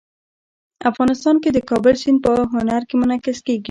افغانستان کې د کابل سیند په هنر کې منعکس کېږي.